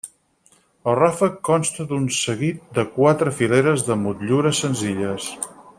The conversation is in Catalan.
El ràfec consta d'un seguit de quatre fileres de motllures senzilles.